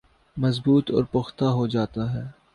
مضبوط اور پختہ ہوجاتا ہے